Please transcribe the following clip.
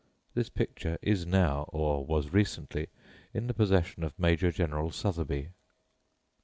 (This picture is now, or was recently, in the possession of Major General Sotheby.)